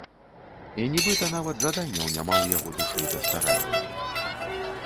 І нібыта нават жаданняў няма ў яго душы да старання.